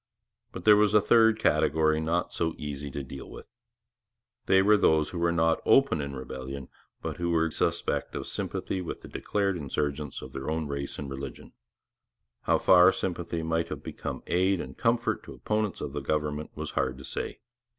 But there was a third category not so easy to deal with. There were those who were not openly in rebellion, but who were grievously suspect of sympathy with declared insurgents of their own race and religion. How far sympathy might have become aid and comfort to opponents of the government was hard to say.